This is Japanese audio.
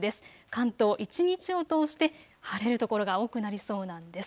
関東一日を通して晴れる所が多くなりそうなんです。